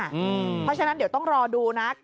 เพราะฉะนั้นเดี๋ยวต้องรอดูนะ